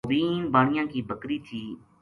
موبین بانیا کی بکری تھی